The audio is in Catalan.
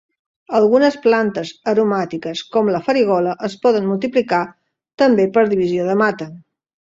Algunes plantes aromàtiques com la farigola es poden multiplicar també per divisió de mata.